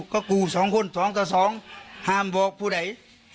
ก็กูสองคนสองต่อสองห้ามบอกผู้ใด